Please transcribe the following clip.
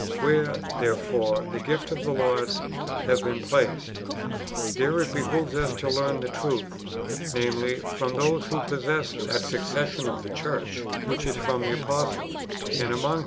"^ Where, therefore, the gifts of the Lord have been placed, there it behoves us to learn the truth, [namely,] from those who possess that succession of the church which is from the apostles, and among whom 1 Xum.